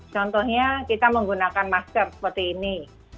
contohnya kita menggunakan masker seperti ini